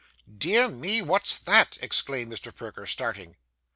'Dear me, what's that?' exclaimed Perker, starting.